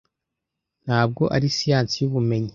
Ntabwo ari siyansi yubumenyi.